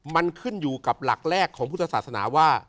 มันขึ้นอยู่กับหลักแรกของพุทธศาสนาว่า